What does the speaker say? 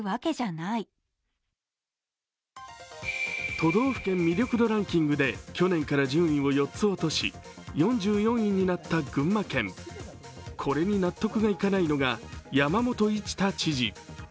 都道府県魅力度ランキングで去年から順位を４つ落とし４４位になった群馬県、これに納得がいかないのが山本一太知事。